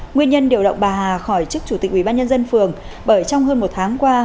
nguyên nhân điều động bà hà khỏi chức chủ tịch ubnd phường bởi trong hơn một tháng qua